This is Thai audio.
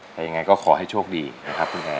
แต่ยังไงก็ขอให้โชคดีนะครับคุณแอร์